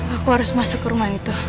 aku harus masuk ke rumah itu